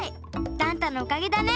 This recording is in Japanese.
ダン太のおかげだね。